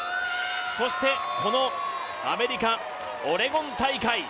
そして、このアメリカ・オレゴン大会。